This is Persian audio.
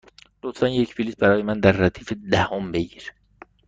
لطفا یک بلیط برای من در ردیف دهم بگیر.